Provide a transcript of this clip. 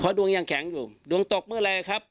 ดวงยังแข็งอยู่ดวงตกเมื่อไหร่ครับ